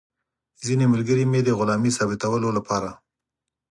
ځینې ملګري مې د غلامۍ ثابتولو لپاره.